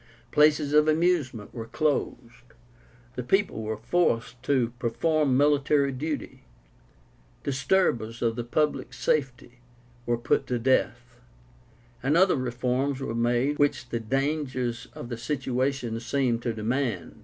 Places of amusement were closed; the people were forced to perform military duty; disturbers of the public safety were put to death; and other reforms were made which the dangers of the situation seemed to demand.